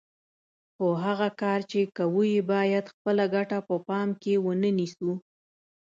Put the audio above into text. خو هغه کار چې کوو یې باید خپله ګټه په پام کې ونه نیسو.